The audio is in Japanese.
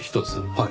はい。